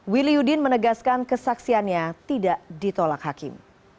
wiliudin menegaskan kesaksiannya tidak ditolak hakim